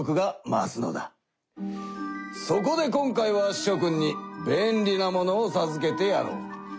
そこで今回はしょ君に便利なものをさずけてやろう。